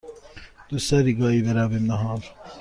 دوست داری گاهی برویم نهار؟